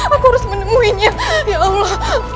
aku harus menemuinya tapi allah